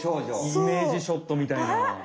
イメージショットみたいな。